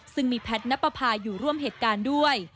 ซึ่งมีแพทย์นับประพาอยู่ร่วมเหตุการณ์ด้วย